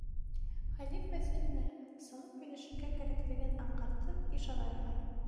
Хәлиф вәзиренә, сығып һөйләшергә кәрәклеген аңғартып, ишара яһай.